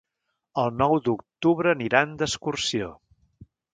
El nou d'octubre aniran d'excursió.